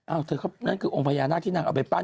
อ้าวเถอะครับนั่นคือองค์พระญาหน้าขี้นางออกไปปั้น